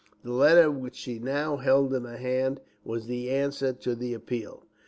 The letter which she now held in her hand was the answer to the appeal.